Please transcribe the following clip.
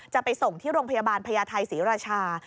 จะไปส่งที่โรงพยาบาลพญาไทยศรีราชา